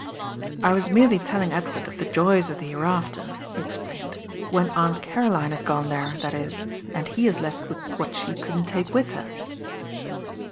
"I wat merely telling Edward of the joyt of the hereafter," he explained, "when Aunt Caroline hat gone there, that is, and he it left with what the couldn't take with her."